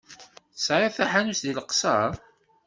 Tesɛiḍ taḥanut deg Leqṣeṛ?